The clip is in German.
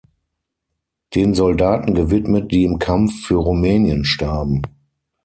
Den Soldaten gewidmet, die im Kampf für Rumnänien starben.